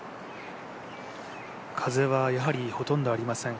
風はやはりほとんどありません。